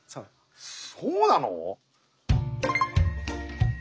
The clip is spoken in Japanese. そうなの？